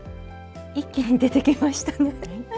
一気に出てきましたね。